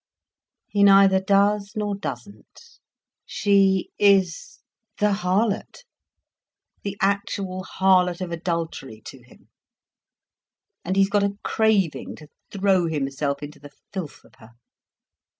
"He neither does nor doesn't. She is the harlot, the actual harlot of adultery to him. And he's got a craving to throw himself into the filth of her.